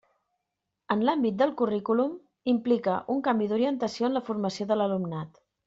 En l'àmbit del currículum implica un canvi d'orientació en la formació de l'alumnat.